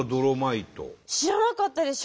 知らなかったです。